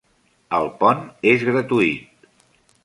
El pont és gratuït.